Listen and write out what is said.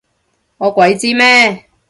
我鬼知咩？